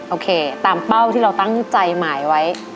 โอเคตามเป้าที่เราตั้งใจหมายไว้